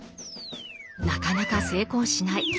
なかなか成功しない。